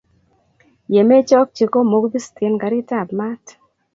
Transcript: ye mechokchi ko mukubisten karitab maat